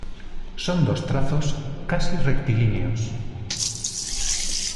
Son dos trazos casi rectilíneos.